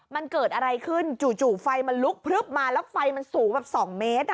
มันเกิดอะไรขึ้นจู่ไฟมันลุกพลึบมาแล้วไฟมันสูงแบบ๒เมตร